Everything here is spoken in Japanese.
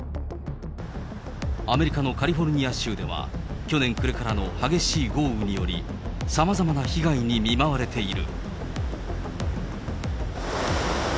アメリカのカリフォルニア州では、去年暮れからの激しい豪雨により、さまざまな被害に見舞われている。